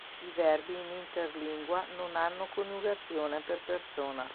I verbi in interlingua non hanno coniugazione per persona.